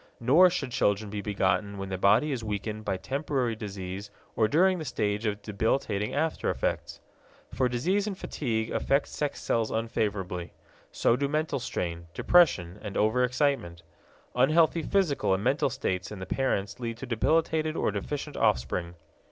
Nor should children be begotten when the body is weakened by temporary disease or during the stage of debilitating after effects. For disease and fatigue affect sex cells unfavorably. So do mental strain, depression and overexcitement. Unhealthy physical and mental states in the parents lead to debilitated or deficient offspring.